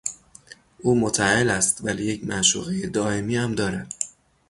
او متاهل است ولی یک معشوقهی دایمی هم دارد.